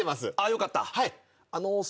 よかった。